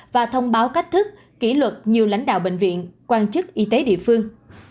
và thông báo cách thức kỷ luật nhiều lãnh đạo bệnh viện quan chức y tế địa phương